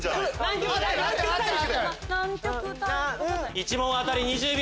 １問当たり２０秒。